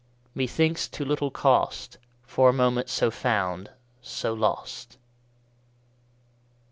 _20 5. ......... Methinks too little cost For a moment so found, so lost!